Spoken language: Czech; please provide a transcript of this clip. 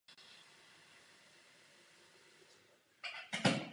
Jejich úděl ležel ve východních Čechách.